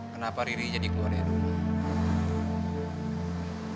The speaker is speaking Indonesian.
kenapa riri jadi keluar dari rumah